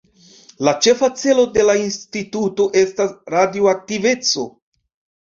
La ĉefa celo de la Instituto estas radioaktiveco.